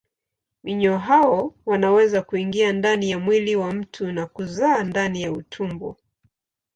Minyoo hao wanaweza kuingia ndani ya mwili wa mtu na kuzaa ndani ya utumbo.